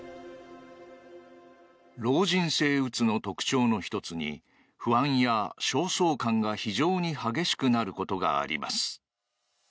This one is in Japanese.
老人性うつの特徴の１つに不安や焦燥感が非常に激しくなることがあります。